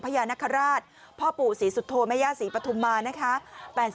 พญานาคาราชพ่อปู่ศรีสุโธแม่ย่าศรีปฐุมมานะคะ